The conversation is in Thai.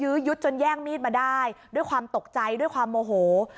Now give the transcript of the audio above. ยึดจนแย่งมีดมาได้ด้วยความตกใจด้วยความโมโห